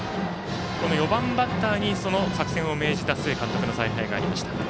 ４番バッターにその作戦を命じた須江監督の采配がありました。